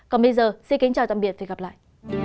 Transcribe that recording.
còn bây giờ xin kính chào tạm biệt và hẹn gặp lại